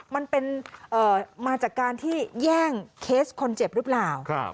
มันเป็นมาจากการที่แย่งเคสคนเจ็บหรือเปล่า